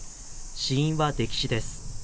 死因は溺死です。